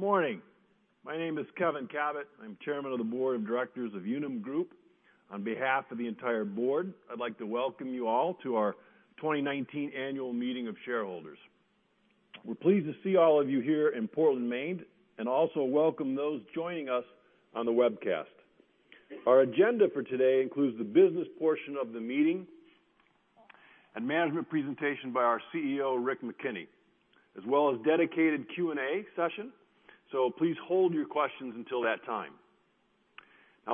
Good morning. My name is Kevin Kabat. I'm chairman of the Board of Directors of Unum Group. On behalf of the entire board, I'd like to welcome you all to our 2019 annual meeting of shareholders. We're pleased to see all of you here in Portland, Maine, and also welcome those joining us on the webcast. Our agenda for today includes the business portion of the meeting and management presentation by our CEO, Rick McKenney, as well as dedicated Q&A session. Please hold your questions until that time.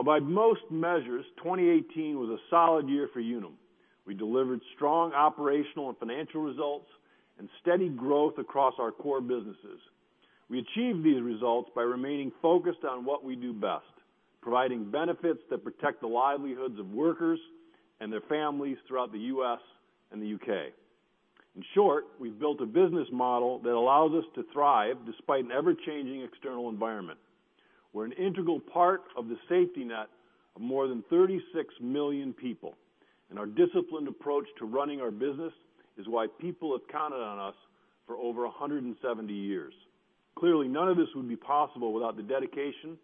By most measures, 2018 was a solid year for Unum. We delivered strong operational and financial results and steady growth across our core businesses. We achieved these results by remaining focused on what we do best, providing benefits that protect the livelihoods of workers and their families throughout the U.S. and the U.K. In short, we've built a business model that allows us to thrive despite an ever-changing external environment. We're an integral part of the safety net of more than 36 million people. Our disciplined approach to running our business is why people have counted on us for over 170 years. Clearly, none of this would be possible without the dedication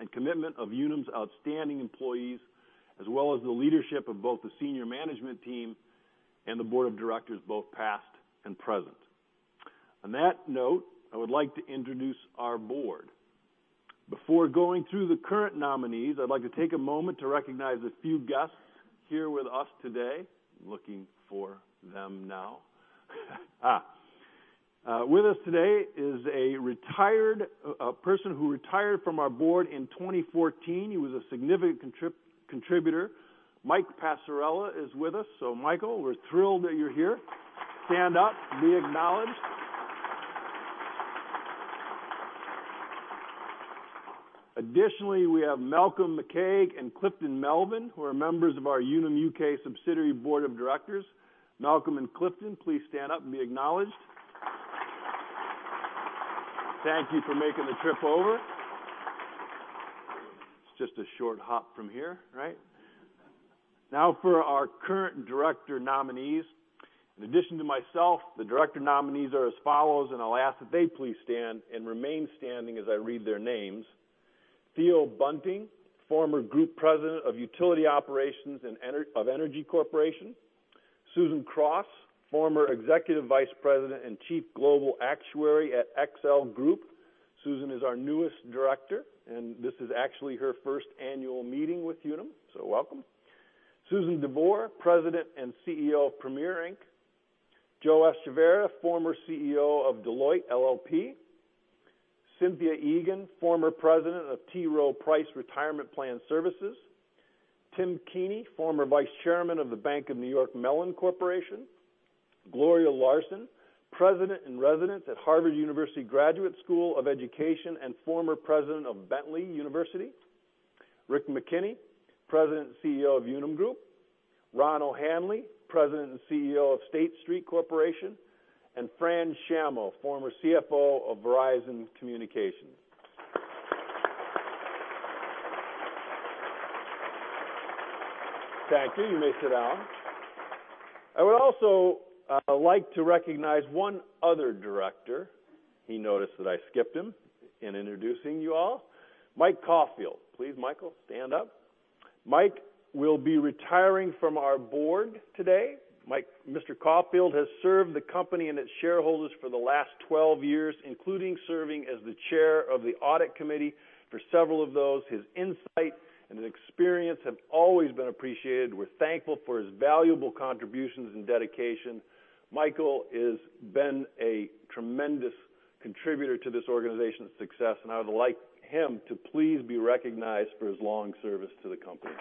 and commitment of Unum's outstanding employees, as well as the leadership of both the senior management team and the Board of Directors, both past and present. On that note, I would like to introduce our board. Before going through the current nominees, I'd like to take a moment to recognize a few guests here with us today. Looking for them now. With us today is a person who retired from our board in 2014. He was a significant contributor. Mike Passarella is with us. Michael, we're thrilled that you're here. Stand up. Be acknowledged. Additionally, we have Malcolm McCaig and Clifton Melvin, who are members of our Unum UK subsidiary Board of Directors. Malcolm and Clifton, please stand up and be acknowledged. Thank you for making the trip over. It's just a short hop from here, right? For our current director nominees. In addition to myself, the director nominees are as follows. I'll ask that they please stand and remain standing as I read their names. Theo Bunting, former Group President of Utility Operations of Entergy Corporation. Susan Cross, former Executive Vice President and Global Chief Actuary at XL Group. Susan is our newest director. This is actually her first annual meeting with Unum, so welcome. Susan D. DeVore, President and CEO of Premier, Inc. Joe Echevarria, former CEO of Deloitte LLP. Cynthia Egan, former President of T. Rowe Price Retirement Plan Services. Timothy F. Keaney, former Vice Chairman of The Bank of New York Mellon Corporation. Gloria C. Larson, President in Residence at Harvard Graduate School of Education and former President of Bentley University. Richard P. McKenney, President and CEO of Unum Group. Ronald P. O'Hanley, President and CEO of State Street Corporation. Fran Shammo, former CFO of Verizon Communications. Thank you. You may sit down. I would also like to recognize one other director. He noticed that I skipped him in introducing you all. E. Michael Caulfield. Please, Michael, stand up. Mike will be retiring from our board today. Mr. Caulfield has served the company and its shareholders for the last 12 years, including serving as the chair of the Audit Committee for several of those. His insight and experience have always been appreciated. We're thankful for his valuable contributions and dedication. Michael has been a tremendous contributor to this organization's success. I would like him to please be recognized for his long service to the company.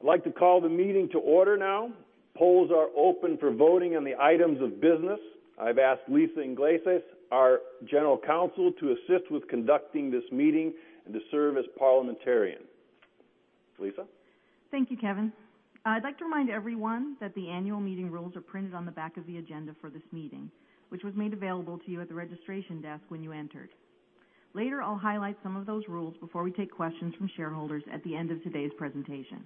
I'd like to call the meeting to order now. Polls are open for voting on the items of business. I've asked Lisa G. Iglesias, our General Counsel, to assist with conducting this meeting and to serve as parliamentarian. Lisa? Thank you, Kevin. I'd like to remind everyone that the annual meeting rules are printed on the back of the agenda for this meeting, which was made available to you at the registration desk when you entered. Later, I'll highlight some of those rules before we take questions from shareholders at the end of today's presentation.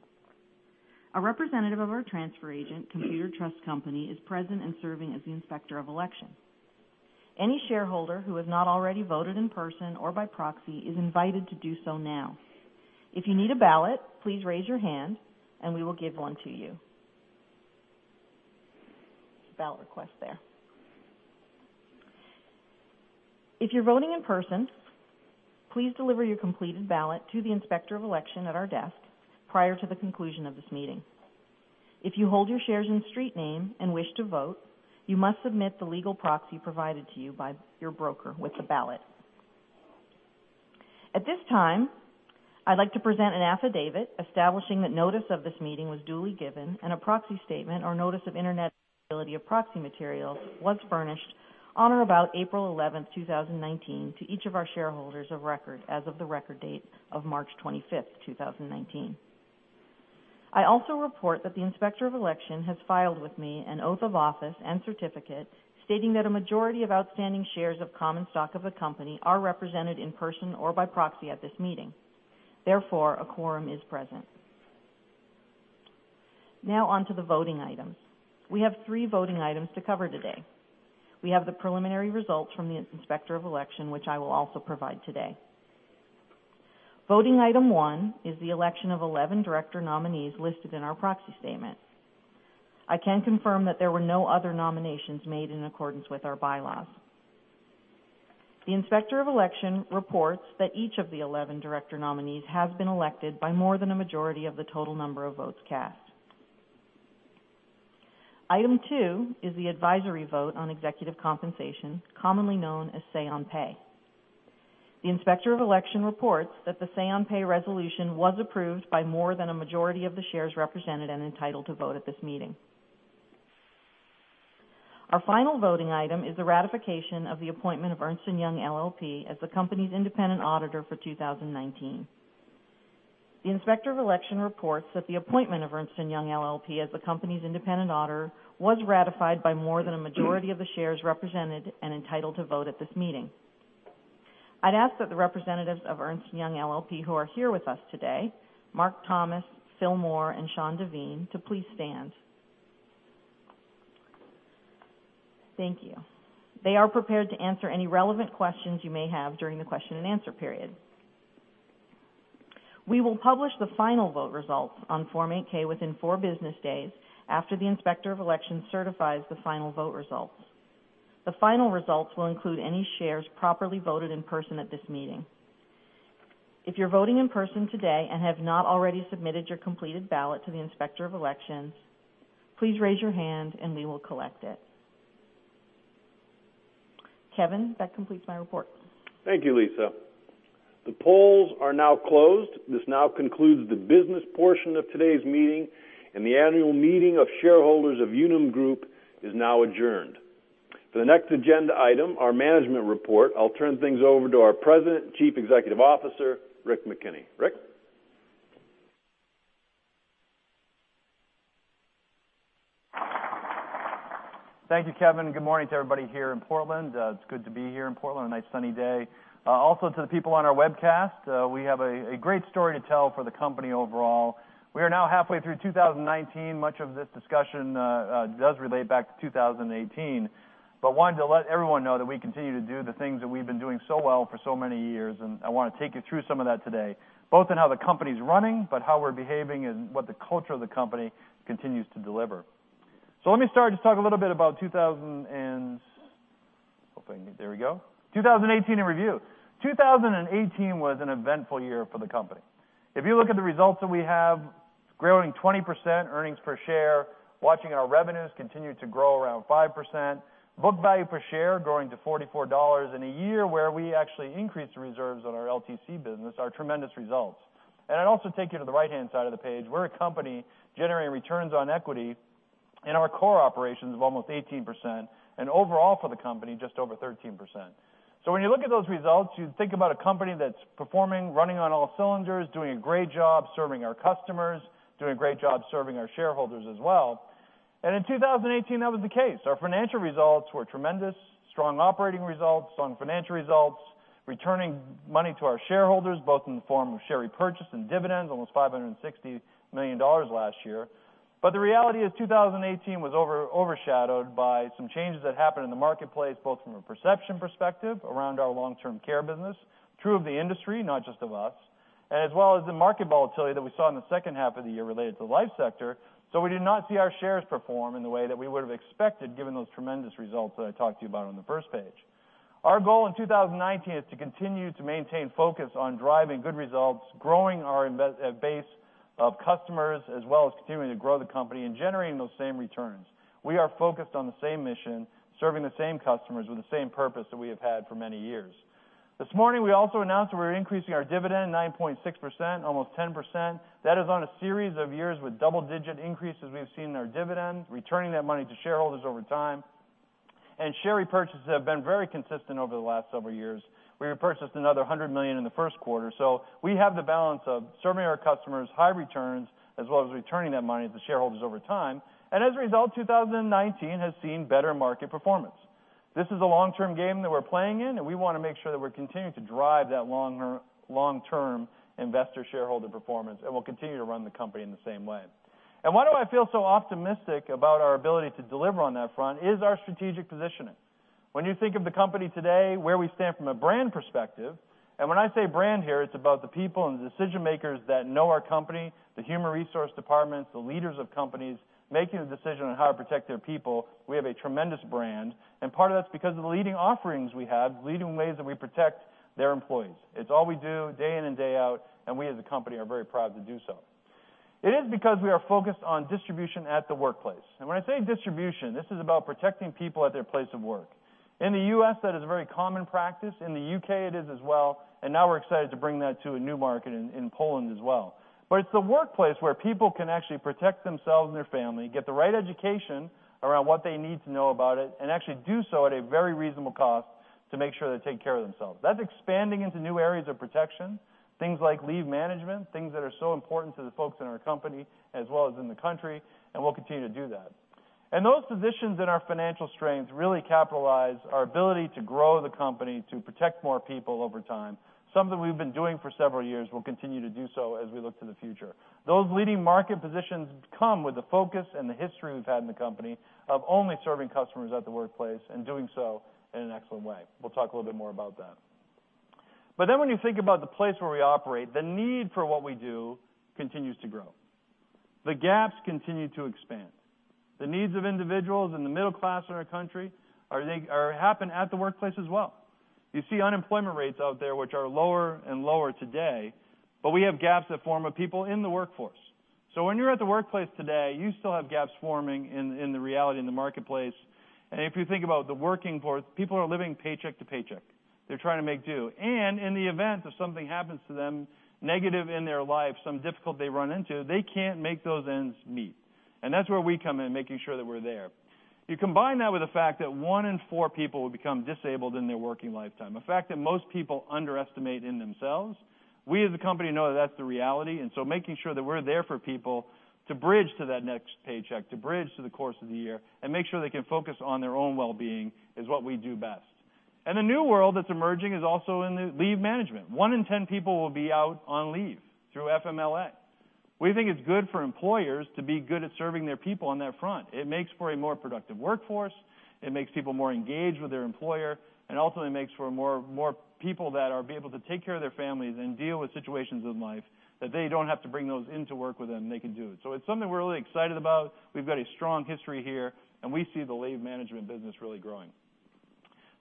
A representative of our transfer agent, Computershare Trust Company, N.A., is present and serving as the Inspector of Election. Any shareholder who has not already voted in person or by proxy is invited to do so now. If you need a ballot, please raise your hand and we will give one to you. Ballot request there. If you're voting in person, please deliver your completed ballot to the Inspector of Election at our desk prior to the conclusion of this meeting. If you hold your shares in street name and wish to vote, you must submit the legal proxy provided to you by your broker with the ballot. At this time, I'd like to present an affidavit establishing that notice of this meeting was duly given and a proxy statement or notice of internet availability of proxy materials was furnished on or about April 11th, 2019, to each of our shareholders of record as of the record date of March 25th, 2019. I also report that the Inspector of Election has filed with me an oath of office and certificate stating that a majority of outstanding shares of common stock of the company are represented in person or by proxy at this meeting. Therefore, a quorum is present. Now on to the voting items. We have three voting items to cover today. We have the preliminary results from the Inspector of Election, which I will also provide today. Voting item one is the election of 11 director nominees listed in our proxy statement. I can confirm that there were no other nominations made in accordance with our bylaws. The Inspector of Election reports that each of the 11 director nominees has been elected by more than a majority of the total number of votes cast. Item two is the advisory vote on executive compensation, commonly known as say on pay. The Inspector of Election reports that the say on pay resolution was approved by more than a majority of the shares represented and entitled to vote at this meeting. Our final voting item is the ratification of the appointment of Ernst & Young LLP as the company's independent auditor for 2019. The Inspector of Election reports that the appointment of Ernst & Young LLP as the company's independent auditor was ratified by more than a majority of the shares represented and entitled to vote at this meeting. I'd ask that the representatives of Ernst & Young LLP who are here with us today, Mark Thomas, Phil Moore, and Sean Devine, to please stand. Thank you. They are prepared to answer any relevant questions you may have during the question and answer period. We will publish the final vote results on Form 8-K within four business days after the Inspector of Election certifies the final vote results. The final results will include any shares properly voted in person at this meeting. If you're voting in person today and have not already submitted your completed ballot to the Inspector of Election, please raise your hand and we will collect it. Kevin, that completes my report. Thank you, Lisa. The polls are now closed. This now concludes the business portion of today's meeting, and the annual meeting of shareholders of Unum Group is now adjourned. For the next agenda item, our management report, I'll turn things over to our President Chief Executive Officer, Rick McKenney. Rick? Thank you, Kevin. Good morning to everybody here in Portland. It's good to be here in Portland, a nice sunny day. Also, to the people on our webcast, we have a great story to tell for the company overall. We are now halfway through 2019. Much of this discussion does relate back to 2018, but wanted to let everyone know that we continue to do the things that we've been doing so well for so many years, and I want to take you through some of that today, both on how the company's running, but how we're behaving and what the culture of the company continues to deliver. Let me start, just talk a little bit about 2018 in review. 2018 was an eventful year for the company. If you look at the results that we have, growing 20% earnings per share, watching our revenues continue to grow around 5%, book value per share growing to $44 in a year where we actually increased the reserves on our LTC business are tremendous results. I'd also take you to the right-hand side of the page. We're a company generating returns on equity in our core operations of almost 18% and overall for the company, just over 13%. When you look at those results, you think about a company that's performing, running on all cylinders, doing a great job serving our customers, doing a great job serving our shareholders as well. In 2018, that was the case. Our financial results were tremendous. Strong operating results, strong financial results, returning money to our shareholders, both in the form of share repurchase and dividends, almost $560 million last year. The reality is 2018 was overshadowed by some changes that happened in the marketplace, both from a perception perspective around our long-term care business, true of the industry, not just of us, as well as the market volatility that we saw in the second half of the year related to the life sector. We did not see our shares perform in the way that we would've expected, given those tremendous results that I talked to you about on the first page. Our goal in 2019 is to continue to maintain focus on driving good results, growing our invest base of customers, as well as continuing to grow the company and generating those same returns. We are focused on the same mission, serving the same customers with the same purpose that we have had for many years. This morning, we also announced that we're increasing our dividend 9.6%, almost 10%. That is on a series of years with double-digit increases we have seen in our dividends, returning that money to shareholders over time. Share repurchases have been very consistent over the last several years. We repurchased another $100 million in the first quarter, so we have the balance of serving our customers, high returns, as well as returning that money to shareholders over time. As a result, 2019 has seen better market performance. This is a long-term game that we're playing in, and we want to make sure that we're continuing to drive that long-term investor shareholder performance, and we'll continue to run the company in the same way. Why do I feel so optimistic about our ability to deliver on that front is our strategic positioning. When you think of the company today, where we stand from a brand perspective, and when I say brand here, it's about the people and the decision-makers that know our company, the human resource departments, the leaders of companies making the decision on how to protect their people. We have a tremendous brand, and part of that's because of the leading offerings we have, leading ways that we protect their employees. It's all we do day in and day out, and we as a company are very proud to do so. It is because we are focused on distribution at the workplace. When I say distribution, this is about protecting people at their place of work. In the U.S., that is a very common practice. In the U.K. it is as well, and now we're excited to bring that to a new market in Poland as well. It's the workplace where people can actually protect themselves and their family, get the right education around what they need to know about it, and actually do so at a very reasonable cost to make sure they take care of themselves. That's expanding into new areas of protection, things like leave management, things that are so important to the folks in our company as well as in the country, we'll continue to do that. Those positions and our financial strength really capitalize our ability to grow the company to protect more people over time, something we've been doing for several years. We'll continue to do so as we look to the future. Those leading market positions come with the focus and the history we've had in the company of only serving customers at the workplace and doing so in an excellent way. We'll talk a little bit more about that. When you think about the place where we operate, the need for what we do continues to grow. The gaps continue to expand. The needs of individuals in the middle class in our country happen at the workplace as well. You see unemployment rates out there, which are lower and lower today, but we have gaps that form of people in the workforce. When you're at the workplace today, you still have gaps forming in the reality in the marketplace. If you think about the working force, people are living paycheck to paycheck. They're trying to make do. In the event that something happens to them, negative in their life, some difficulty they run into, they can't make those ends meet. That's where we come in, making sure that we're there. You combine that with the fact that one in four people will become disabled in their working lifetime, a fact that most people underestimate in themselves. We as a company know that's the reality, making sure that we're there for people to bridge to that next paycheck, to bridge to the course of the year, and make sure they can focus on their own well-being is what we do best. A new world that's emerging is also in leave management. One in 10 people will be out on leave through FMLA. We think it's good for employers to be good at serving their people on that front. It makes for a more productive workforce, it makes people more engaged with their employer, ultimately makes for more people that are able to take care of their families and deal with situations in life that they don't have to bring those into work with them. They can do it. It's something we're really excited about. We've got a strong history here, we see the leave management business really growing.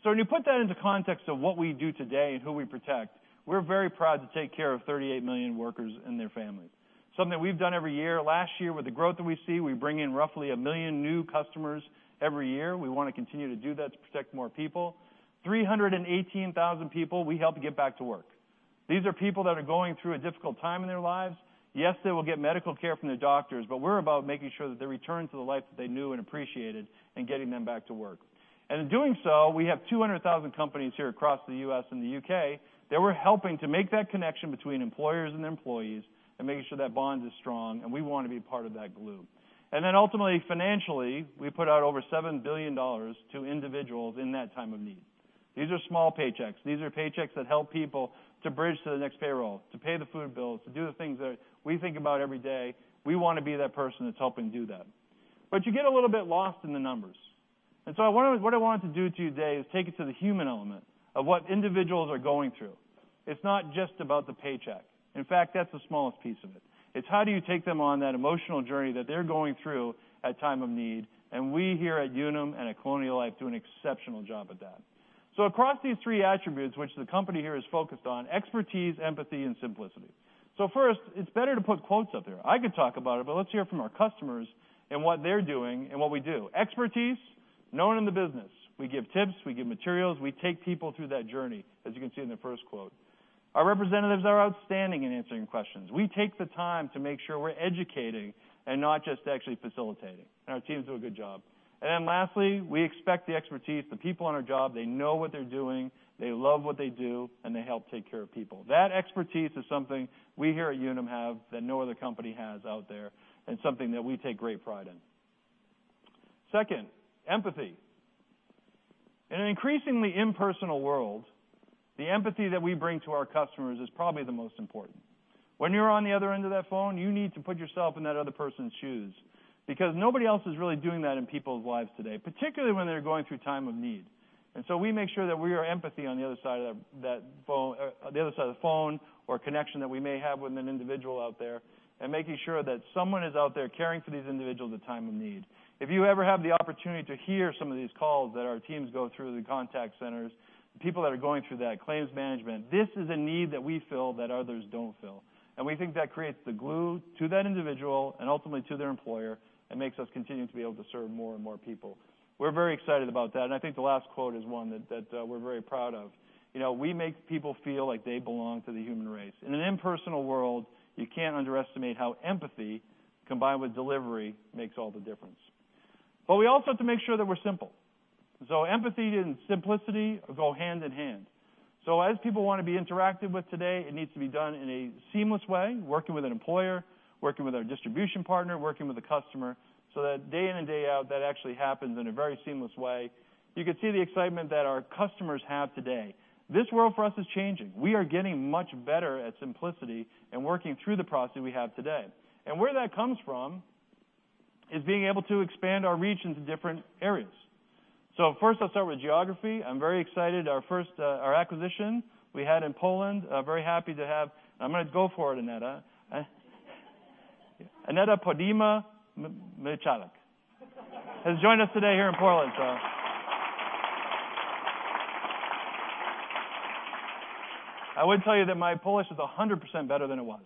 When you put that into context of what we do today and who we protect, we're very proud to take care of 38 million workers and their families. Something that we've done every year. Last year, with the growth that we see, we bring in roughly 1 million new customers every year. We want to continue to do that to protect more people. 318,000 people we helped get back to work. These are people that are going through a difficult time in their lives. Yes, they will get medical care from their doctors, but we're about making sure that they return to the life that they knew and appreciated and getting them back to work. In doing so, we have 200,000 companies here across the U.S. and the U.K. that we're helping to make that connection between employers and employees and making sure that bond is strong, and we want to be part of that glue. Then ultimately, financially, we put out over $7 billion to individuals in that time of need. These are small paychecks. These are paychecks that help people to bridge to the next payroll, to pay the food bills, to do the things that we think about every day. We want to be that person that's helping do that. You get a little bit lost in the numbers. What I wanted to do today is take it to the human element of what individuals are going through. It's not just about the paycheck. In fact, that's the smallest piece of it. It's how do you take them on that emotional journey that they're going through at time of need, and we here at Unum and at Colonial Life do an exceptional job at that. Across these three attributes, which the company here is focused on, expertise, empathy, and simplicity. First, it's better to put quotes up there. I could talk about it, but let's hear from our customers and what they're doing and what we do. Expertise, known in the business. We give tips, we give materials, we take people through that journey, as you can see in the first quote. Our representatives are outstanding in answering questions. We take the time to make sure we're educating and not just actually facilitating, and our teams do a good job. Then lastly, we expect the expertise. The people on our job, they know what they're doing, they love what they do, and they help take care of people. That expertise is something we here at Unum have that no other company has out there and something that we take great pride in. Second, empathy. In an increasingly impersonal world, the empathy that we bring to our customers is probably the most important. When you're on the other end of that phone, you need to put yourself in that other person's shoes, because nobody else is really doing that in people's lives today, particularly when they're going through time of need. We make sure that we are empathy on the other side of the phone or connection that we may have with an individual out there and making sure that someone is out there caring for these individuals at time of need. If you ever have the opportunity to hear some of these calls that our teams go through in the contact centers, the people that are going through that claims management, this is a need that we fill that others don't fill. We think that creates the glue to that individual and ultimately to their employer and makes us continue to be able to serve more and more people. We're very excited about that, and I think the last quote is one that we're very proud of. We make people feel like they belong to the human race. In an impersonal world, you can't underestimate how empathy combined with delivery makes all the difference. We also have to make sure that we're simple. Empathy and simplicity go hand in hand. As people want to be interactive with today, it needs to be done in a seamless way, working with an employer, working with our distribution partner, working with the customer, so that day in and day out, that actually happens in a very seamless way. You can see the excitement that our customers have today. This world for us is changing. We are getting much better at simplicity and working through the process we have today. Where that comes from is being able to expand our reach into different areas. First I'll start with geography. I'm very excited. Our acquisition we had in Poland, very happy to have I'm going to go for it, Aneta. Aneta Podsiadly-Michalek has joined us today here in Portland. I would tell you that my Polish is 100% better than it was.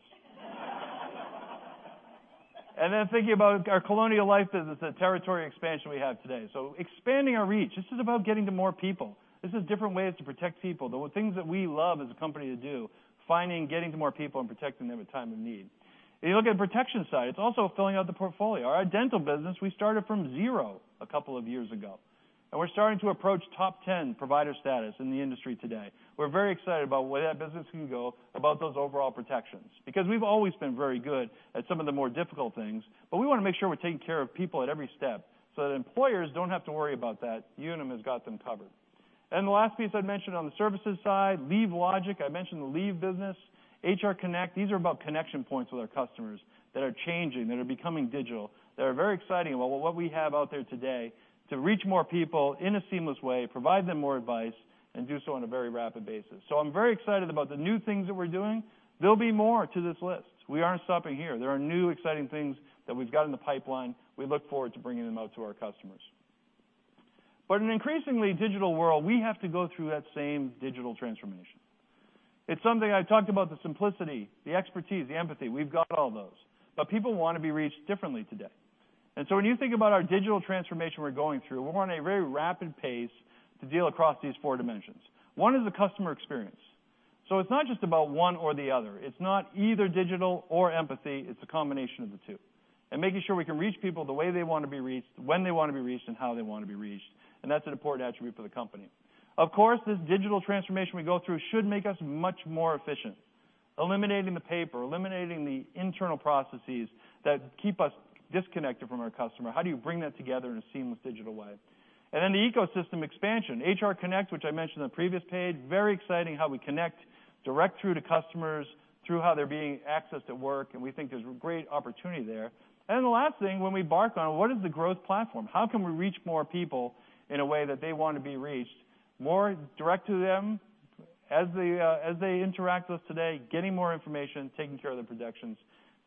Then thinking about our Colonial Life business and territory expansion we have today. Expanding our reach. This is about getting to more people. This is different ways to protect people. The things that we love as a company to do, finding, getting to more people, and protecting them at time of need. If you look at protection side, it's also filling out the portfolio. Our dental business, we started from zero a couple of years ago. We're starting to approach top 10 provider status in the industry today. We're very excited about where that business can go, about those overall protections. We've always been very good at some of the more difficult things, but we want to make sure we're taking care of people at every step so that employers don't have to worry about that. Unum has got them covered. The last piece I'd mention on the services side, LeaveLogic. I mentioned the leave business. HR Connect, these are about connection points with our customers that are changing, that are becoming digital, that are very exciting about what we have out there today to reach more people in a seamless way, provide them more advice, and do so on a very rapid basis. I'm very excited about the new things that we're doing. There'll be more to this list. We aren't stopping here. There are new, exciting things that we've got in the pipeline. We look forward to bringing them out to our customers. In an increasingly digital world, we have to go through that same digital transformation. It's something I talked about, the simplicity, the expertise, the empathy. We've got all those. People want to be reached differently today. When you think about our digital transformation we're going through, we're on a very rapid pace to deal across these four dimensions. It's not just about one or the other. It's not either digital or empathy, it's a combination of the two, and making sure we can reach people the way they want to be reached, when they want to be reached, and how they want to be reached, and that's an important attribute for the company. Of course, this digital transformation we go through should make us much more efficient, eliminating the paper, eliminating the internal processes that keep us disconnected from our customer. How do you bring that together in a seamless digital way? The ecosystem expansion, HR Connect, which I mentioned on the previous page. Very exciting how we connect direct through to customers, through how they're being accessed at work, and we think there's great opportunity there. The last thing when we embark on what is the growth platform? How can we reach more people in a way that they want to be reached, more direct to them as they interact with us today, getting more information, taking care of their protections.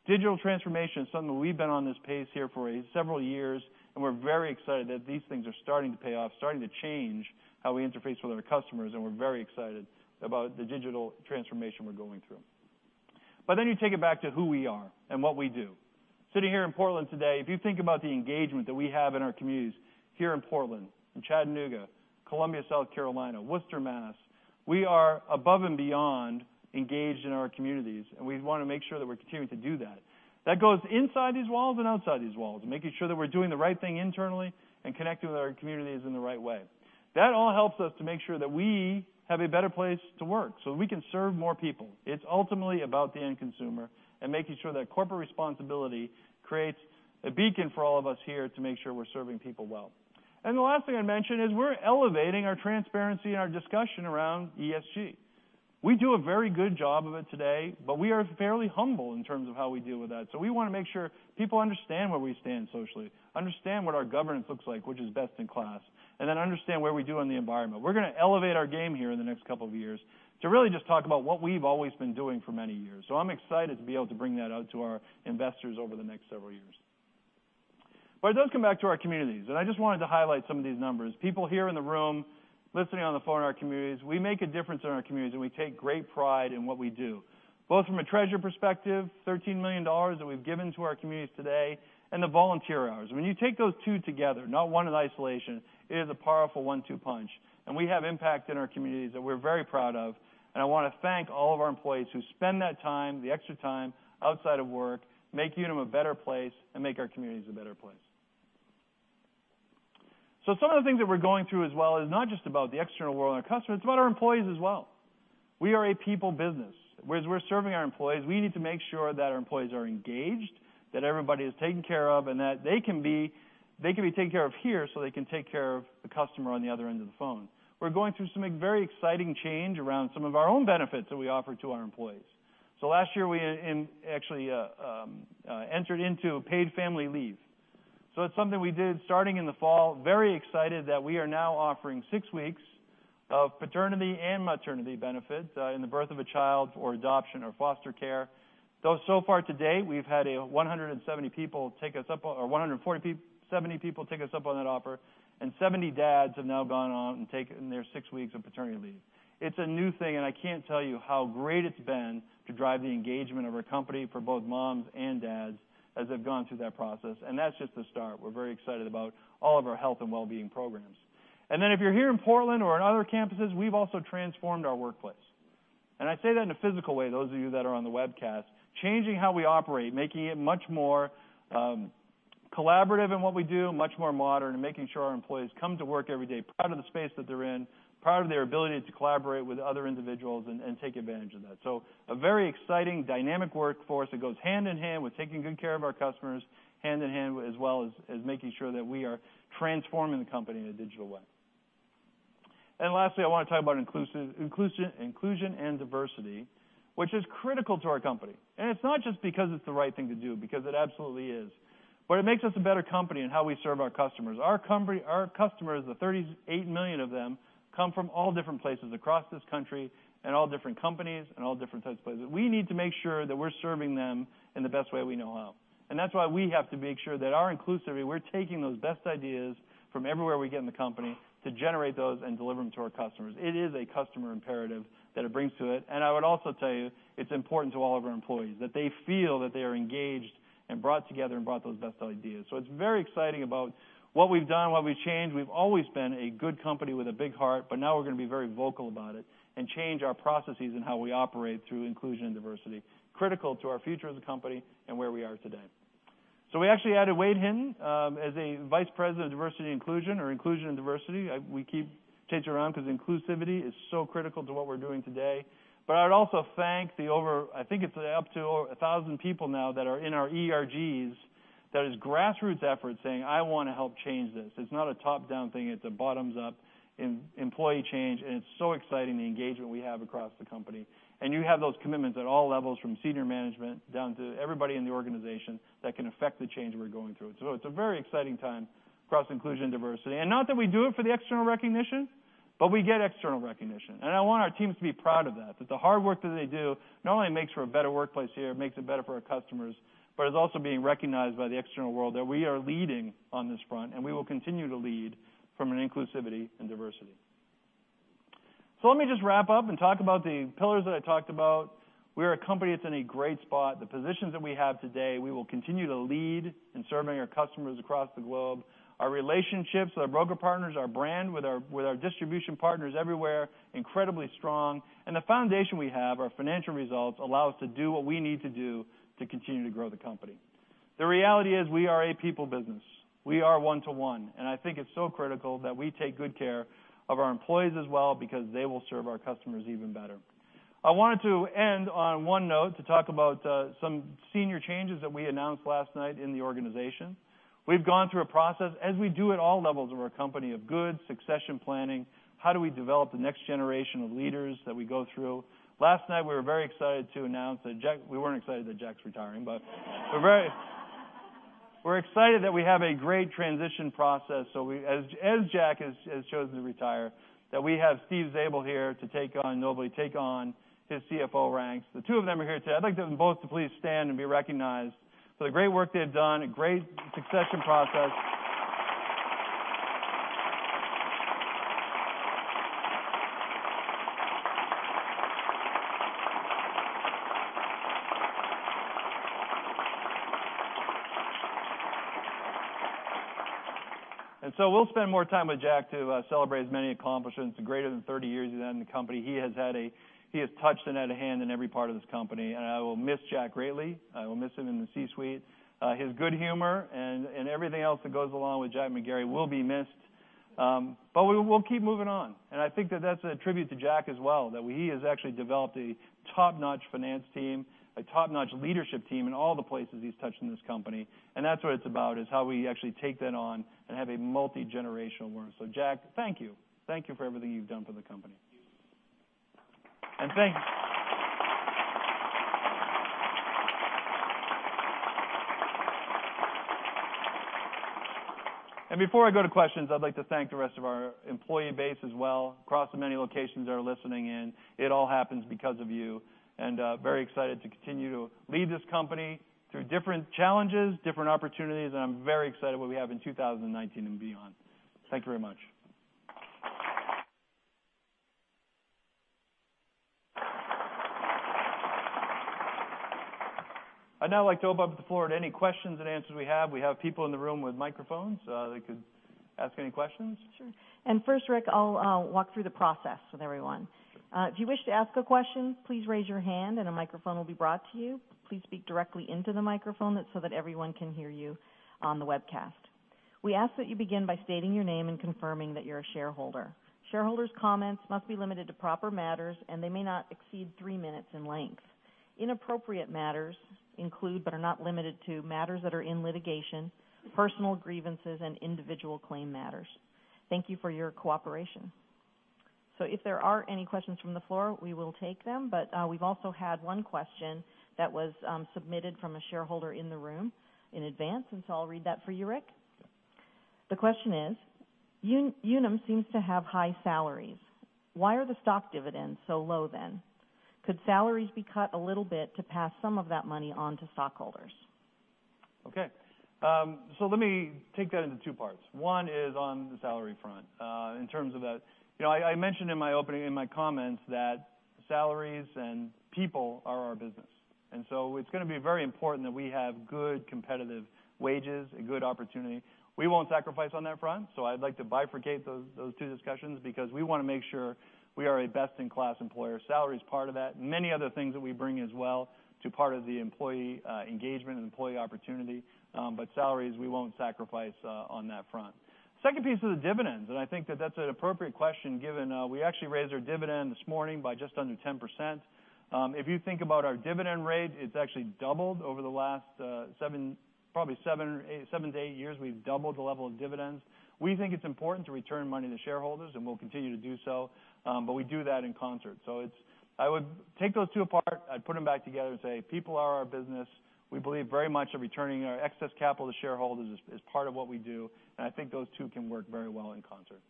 Digital transformation is something that we've been on this pace here for several years, and we're very excited that these things are starting to pay off, starting to change how we interface with other customers, and we're very excited about the digital transformation we're going through. You take it back to who we are and what we do. Sitting here in Portland today, if you think about the engagement that we have in our communities here in Portland, in Chattanooga, Columbia, South Carolina, Worcester, Mass., we are above and beyond engaged in our communities, and we want to make sure that we're continuing to do that. That goes inside these walls and outside these walls, and making sure that we're doing the right thing internally and connecting with our communities in the right way. That all helps us to make sure that we have a better place to work so that we can serve more people. It's ultimately about the end consumer and making sure that corporate responsibility creates a beacon for all of us here to make sure we're serving people well. The last thing I'd mention is we're elevating our transparency and our discussion around ESG. We do a very good job of it today, but we are fairly humble in terms of how we deal with that. We want to make sure people understand where we stand socially, understand what our governance looks like, which is best in class, understand where we do on the environment. We're going to elevate our game here in the next couple of years to really just talk about what we've always been doing for many years. I'm excited to be able to bring that out to our investors over the next several years. It does come back to our communities, and I just wanted to highlight some of these numbers. People here in the room, listening on the phone in our communities, we make a difference in our communities, and we take great pride in what we do, both from a treasure perspective, $13 million that we've given to our communities today, and the volunteer hours. When you take those two together, not one in isolation, it is a powerful one-two punch. We have impact in our communities that we're very proud of, and I want to thank all of our employees who spend that time, the extra time, outside of work, make Unum a better place, and make our communities a better place. Some of the things that we're going through as well is not just about the external world and our customers, it's about our employees as well. We are a people business. Whereas we're serving our employees, we need to make sure that our employees are engaged, that everybody is taken care of, and that they can be taken care of here so they can take care of the customer on the other end of the phone. We're going through some very exciting change around some of our own benefits that we offer to our employees. Last year we actually entered into paid family leave. It's something we did starting in the fall. Very excited that we are now offering 6 weeks of paternity and maternity benefits in the birth of a child or adoption or foster care. So far to date, we've had 140 people take us up on that offer, and 70 dads have now gone on and taken their 6 weeks of paternity leave. It's a new thing. I can't tell you how great it's been to drive the engagement of our company for both moms and dads as they've gone through that process, and that's just the start. We're very excited about all of our health and wellbeing programs. If you're here in Portland or in other campuses, we've also transformed our workplace. I say that in a physical way, those of you that are on the webcast. Changing how we operate, making it much more collaborative in what we do, much more modern, and making sure our employees come to work every day proud of the space that they're in, proud of their ability to collaborate with other individuals and take advantage of that. A very exciting, dynamic workforce that goes hand in hand with taking good care of our customers, hand in hand as well as making sure that we are transforming the company in a digital way. Lastly, I want to talk about inclusion and diversity, which is critical to our company. It's not just because it's the right thing to do, because it absolutely is. It makes us a better company in how we serve our customers. Our customers, the 38 million of them, come from all different places across this country and all different companies and all different types of places. We need to make sure that we're serving them in the best way we know how. That's why we have to make sure that our inclusivity, we're taking those best ideas from everywhere we get in the company to generate those and deliver them to our customers. It is a customer imperative that it brings to it. I would also tell you it's important to all of our employees that they feel that they are engaged and brought together and brought those best ideas. It's very exciting about what we've done, what we've changed. We've always been a good company with a big heart, but now we're going to be very vocal about it and change our processes and how we operate through inclusion and diversity. Critical to our future as a company and where we are today. We actually added Wade Hinton as a vice president of diversity and inclusion, or inclusion and diversity. We keep changing it around because inclusivity is so critical to what we're doing today. I would also thank the over, I think it's up to over 1,000 people now that are in our ERGs, that is grassroots effort saying, "I want to help change this." It's not a top-down thing, it's a bottoms-up employee change, and it's so exciting, the engagement we have across the company. You have those commitments at all levels, from senior management down to everybody in the organization that can affect the change we're going through. It's a very exciting time across inclusion and diversity. Not that we do it for the external recognition, but we get external recognition. I want our teams to be proud of that the hard work that they do not only makes for a better workplace here, makes it better for our customers, but is also being recognized by the external world that we are leading on this front, and we will continue to lead from an inclusivity and diversity. Let me just wrap up and talk about the pillars that I talked about. We're a company that's in a great spot. The positions that we have today, we will continue to lead in serving our customers across the globe. Our relationships with our broker partners, our brand, with our distribution partners everywhere, incredibly strong. The foundation we have, our financial results, allow us to do what we need to do to continue to grow the company. The reality is we are a people business. We are one to one, and I think it's so critical that we take good care of our employees as well because they will serve our customers even better. I wanted to end on one note to talk about some senior changes that we announced last night in the organization. We've gone through a process, as we do at all levels of our company, of good succession planning. How do we develop the next generation of leaders that we go through? Last night, we were very excited to announce that Jack. We weren't excited that Jack's retiring, but we're excited that we have a great transition process. As Jack has chosen to retire, that we have Steve Zabel here nobly take on his CFO ranks. The two of them are here today. I'd like them both to please stand and be recognized for the great work they've done, a great succession process. We'll spend more time with Jack to celebrate his many accomplishments. Greater than 30 years he's been in the company. He has touched and had a hand in every part of this company. I will miss Jack greatly. I will miss him in the C-suite. His good humor and everything else that goes along with Jack McGarry will be missed. We'll keep moving on, and I think that that's a tribute to Jack as well, that he has actually developed a top-notch finance team, a top-notch leadership team in all the places he's touched in this company, and that's what it's about, is how we actually take that on and have a multigenerational learn. Jack, thank you. Thank you for everything you've done for the company. Thank you. Before I go to questions, I'd like to thank the rest of our employee base as well, across the many locations that are listening in. It all happens because of you, very excited to continue to lead this company through different challenges, different opportunities, I'm very excited what we have in 2019 and beyond. Thank you very much. I'd now like to open up the floor to any questions and answers we have. We have people in the room with microphones. They could ask any questions. Sure. First, Rick, I'll walk through the process with everyone. Sure. If you wish to ask a question, please raise your hand and a microphone will be brought to you. Please speak directly into the microphone so that everyone can hear you on the webcast. We ask that you begin by stating your name and confirming that you're a shareholder. Shareholders' comments must be limited to proper matters, and they may not exceed three minutes in length. Inappropriate matters include, but are not limited to, matters that are in litigation, personal grievances, and individual claim matters. Thank you for your cooperation. If there are any questions from the floor, we will take them. We've also had one question that was submitted from a shareholder in the room in advance, I'll read that for you, Rick. Sure. The question is: Unum seems to have high salaries. Why are the stock dividends so low then? Could salaries be cut a little bit to pass some of that money on to stockholders? Okay. Let me take that into two parts. One is on the salary front. In terms of that, I mentioned in my opening, in my comments, that salaries and people are our business. It's going to be very important that we have good competitive wages, a good opportunity. We won't sacrifice on that front, so I'd like to bifurcate those two discussions because we want to make sure we are a best-in-class employer. Salary is part of that. Many other things that we bring as well to part of the employee engagement and employee opportunity. Salaries, we won't sacrifice on that front. Second piece is the dividends, I think that that's an appropriate question given we actually raised our dividend this morning by just under 10%. If you think about our dividend rate, it's actually doubled over the last probably seven to eight years. We've doubled the level of dividends. We think it's important to return money to shareholders, and we'll continue to do so, but we do that in concert. I would take those two apart. I'd put them back together and say people are our business. We believe very much that returning our excess capital to shareholders is part of what we do, I think those two can work very well in concert.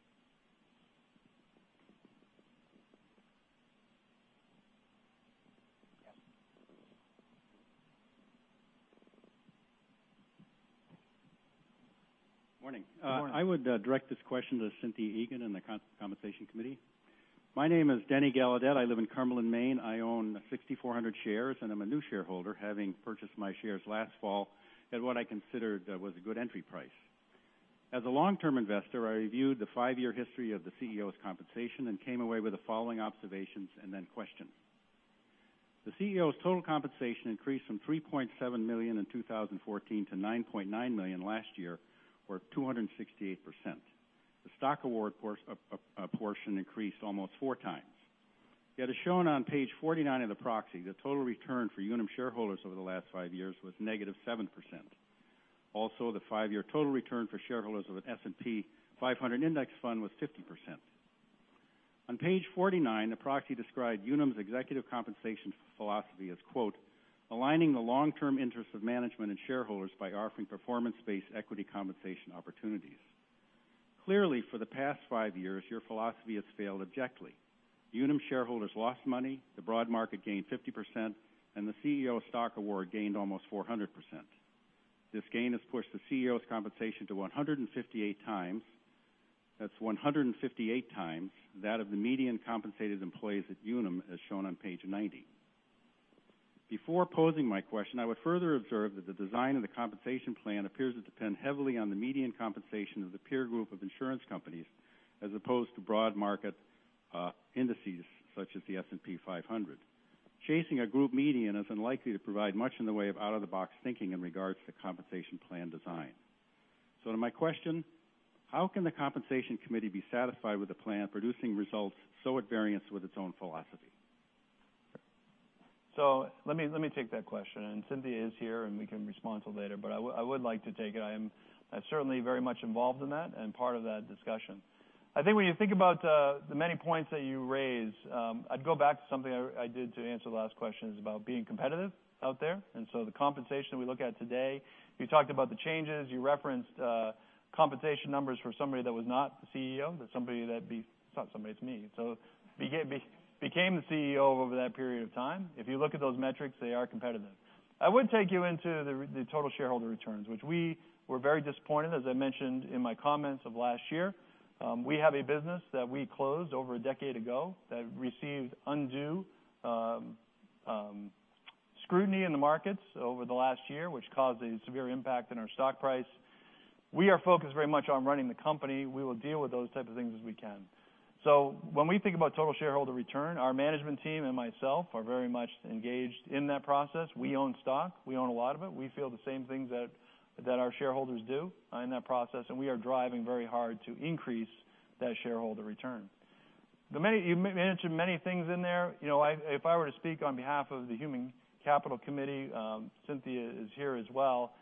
Yeah. Morning. Good morning. I would direct this question to Cynthia Egan and the Compensation Committee. My name is Denny Gallaudet. I live in Carmel in Maine. I own 6,400 shares, and I'm a new shareholder, having purchased my shares last fall at what I considered was a good entry price. As a long-term investor, I reviewed the five-year history of the CEO's compensation and came away with the following observations and then questions. The CEO's total compensation increased from $3.7 million in 2014 to $9.9 million last year, or 268%. The stock award portion increased almost four times. Yet as shown on page 49 of the proxy, the total return for Unum shareholders over the last five years was negative 7%. Also, the five-year total return for shareholders of an S&P 500 index fund was 50%. On page 49, the proxy described Unum's executive compensation philosophy as, quote, "Aligning the long-term interests of management and shareholders by offering performance-based equity compensation opportunities." Clearly, for the past five years, your philosophy has failed objectively. Unum shareholders lost money, the broad market gained 50%, and the CEO stock award gained almost 400%. This gain has pushed the CEO's compensation to 158 times, that's 158 times, that of the median compensated employees at Unum, as shown on page 90. Before posing my question, I would further observe that the design of the compensation plan appears to depend heavily on the median compensation of the peer group of insurance companies, as opposed to broad market indices, such as the S&P 500. Chasing a group median is unlikely to provide much in the way of out-of-the-box thinking in regards to compensation plan design. To my question, how can the Compensation Committee be satisfied with the plan producing results so at variance with its own philosophy? Let me take that question. Cynthia is here, and we can respond to later, but I would like to take it. I'm certainly very much involved in that and part of that discussion. When you think about the many points that you raise, I'd go back to something I did to answer the last questions about being competitive out there, the compensation we look at today. You talked about the changes, you referenced compensation numbers for somebody that was not the CEO, but somebody it's not somebody, it's me. Became the CEO over that period of time. If you look at those metrics, they are competitive. I would take you into the total shareholder returns, which we were very disappointed, as I mentioned in my comments of last year. We have a business that we closed over a decade ago that received undue scrutiny in the markets over the last year, which caused a severe impact in our stock price. We are focused very much on running the company. We will deal with those types of things as we can. When we think about total shareholder return, our management team and myself are very much engaged in that process. We own stock. We own a lot of it. We feel the same things that our shareholders do in that process, and we are driving very hard to increase that shareholder return. You mentioned many things in there. If I were to speak on behalf of the Human Capital Committee, Cynthia is here as well,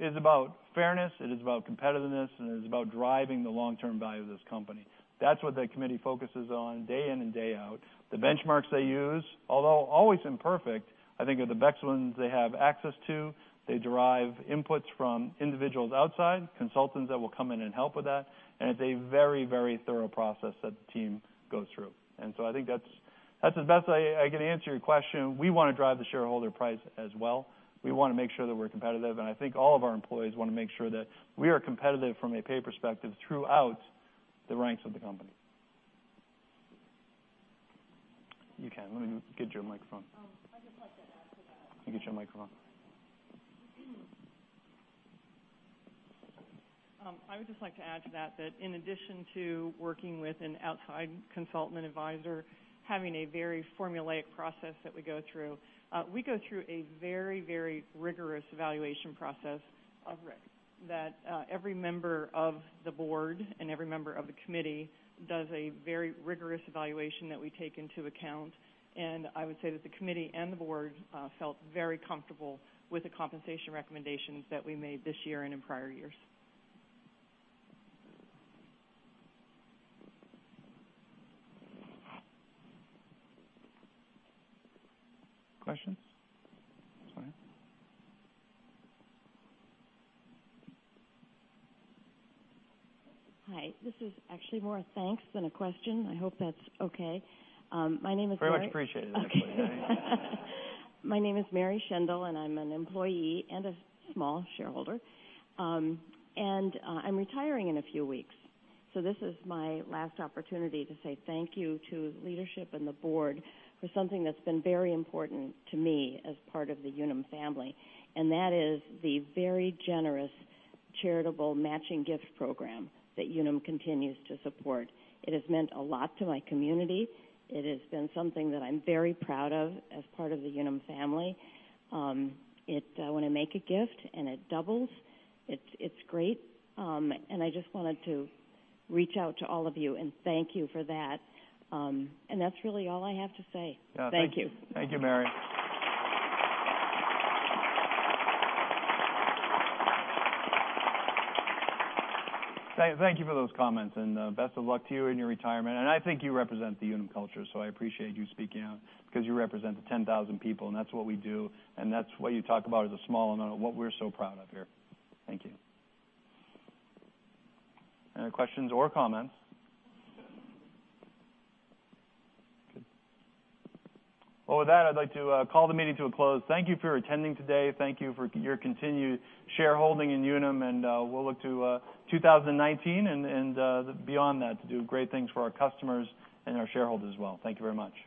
it's about fairness, it is about competitiveness, and it is about driving the long-term value of this company. That's what that committee focuses on day in and day out. The benchmarks they use, although always imperfect, are the best ones they have access to. They derive inputs from individuals outside, consultants that will come in and help with that, and it's a very thorough process that the team goes through. That's the best I can answer your question. We want to drive the shareholder price as well. We want to make sure that we're competitive, and all of our employees want to make sure that we are competitive from a pay perspective throughout the ranks of the company. You can. Let me get you a microphone. I'd just like to add to that. Let me get you a microphone. I would just like to add to that in addition to working with an outside consultant advisor, having a very formulaic process that we go through, we go through a very rigorous evaluation process that every member of the Board and every member of the Committee does a very rigorous evaluation that we take into account. I would say that the Committee and the Board felt very comfortable with the compensation recommendations that we made this year and in prior years. Questions? Go ahead. Hi. This is actually more a thanks than a question. I hope that's okay. My name is Mary. Very much appreciate it, actually. My name is Mary Shindle, I'm an employee and a small shareholder. I'm retiring in a few weeks, so this is my last opportunity to say thank you to leadership and the board for something that's been very important to me as part of the Unum family, that is the very generous charitable matching gift program that Unum continues to support. It has meant a lot to my community. It has been something that I'm very proud of as part of the Unum family. When I make a gift and it doubles, it's great. I just wanted to reach out to all of you and thank you for that. That's really all I have to say. Yeah. Thank you. Thank you, Mary. Thank you for those comments, and best of luck to you in your retirement. I think you represent the Unum culture, so I appreciate you speaking out because you represent the 10,000 people, that's what we do, that's what you talk about as a small amount of what we're so proud of here. Thank you. Any other questions or comments? Good. With that, I'd like to call the meeting to a close. Thank you for attending today. Thank you for your continued shareholding in Unum, we'll look to 2019 and beyond that to do great things for our customers and our shareholders as well. Thank you very much.